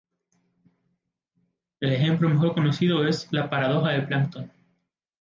El ejemplo mejor conocido es la "paradoja del plancton".